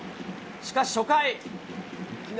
しかし初回。